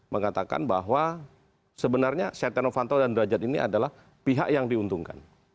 mengatakan bahwa sebenarnya setia novanto dan derajat ini adalah pihak yang diuntungkan